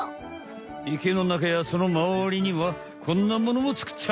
池の中やそのまわりにはこんなものもつくっちゃう！